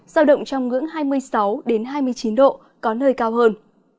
giao động trong ngưỡng hai mươi sáu hai mươi chín độ có nơi cao hơn